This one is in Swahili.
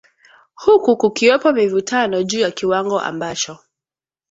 huku kukiwepo mivutano juu ya kiwango ambacho